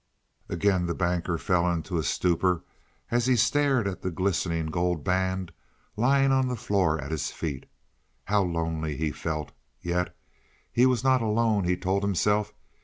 Again the Banker fell into a stupor as he stared at the glistening gold band lying on the floor at his feet. How lonely he felt! Yet he was not alone, he told himself.